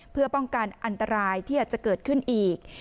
เพื่อป้องกันอันตรายที่อาจจะเกิดขึ้นอีก